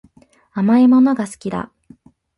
甘いものが好きだ